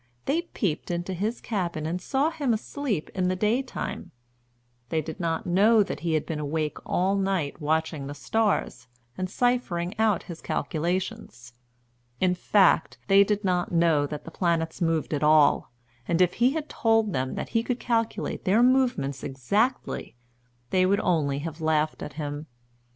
They peeped into his cabin and saw him asleep in the daytime. They did not know that he had been awake all night watching the stars, and ciphering out his calculations. In fact, they did not know that the planets moved at all; and if he had told them that he could calculate their movements exactly, they would only have laughed at him.